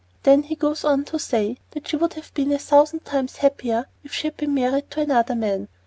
Then he goes on to say that she would have been a thousand times happier if she had been married to another man.